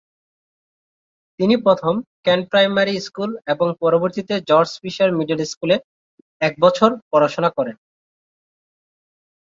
তিনি প্রথমে "Kent primary school" এবং পরবর্তীতে জর্জ ফিশার মিডল স্কুল এ এক বছর পড়াশোনা করেন।